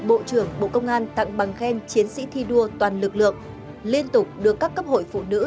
bộ trưởng bộ công an tặng bằng khen chiến sĩ thi đua toàn lực lượng liên tục được các cấp hội phụ nữ